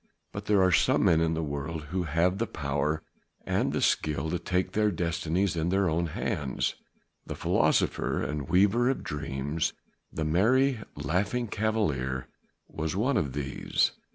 But there are some men in the world who have the power and the skill to take their destinies in their own hands. The philosopher and weaver of dreams, the merry Laughing Cavalier was one of these.